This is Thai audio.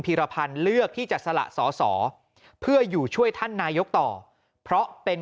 ีรพันธ์เลือกที่จะสละสอสอเพื่ออยู่ช่วยท่านนายกต่อเพราะเป็น